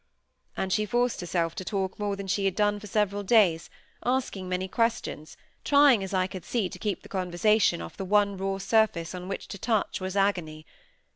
and she forced herself to talk more than she had done for several days, asking many questions, trying, as I could see, to keep the conversation off the one raw surface, on which to touch was agony.